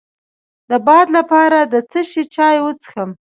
د باد لپاره د څه شي چای وڅښم؟